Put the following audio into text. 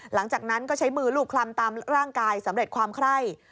หลังจากนั้นก็ใช้มือรูปคลำตามร่างกายสำเร็จความไคร่